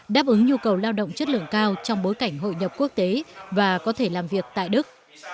đáp ứng nhu cầu lao động chất lượng cao trong bối cảnh hội nhập quốc tế và có thể làm việc tại đức